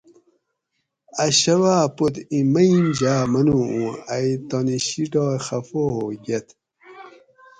اۤ شباۤ پت ایں مئیم جاۤ منو اوں ائی تانی شِیٹائے خفہ ہوگیت